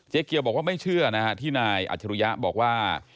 เกียวบอกว่าไม่เชื่อนะฮะที่นายอัจฉริยะบอกว่า